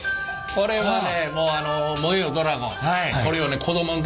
これはね。